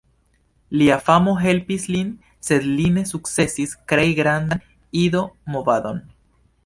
Lia famo helpis lin; sed li ne sukcesis krei grandan Ido-movadon.